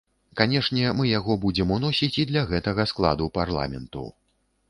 Канешне, мы яго будзем уносіць і для гэтага складу парламенту.